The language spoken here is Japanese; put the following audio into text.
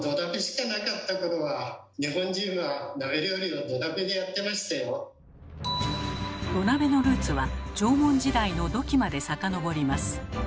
日本人は土鍋のルーツは縄文時代の土器まで遡ります。